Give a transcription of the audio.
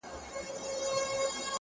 زه وايم راسه شعر به وليكو ـ